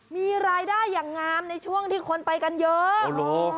มีรายได้อย่างงามในช่วงที่คนไปกันเยอะ